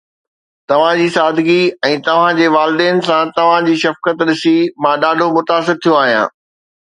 توهان جي سادگي ۽ توهان جي والدين سان توهان جي شفقت ڏسي مان ڏاڍو متاثر ٿيو آهيان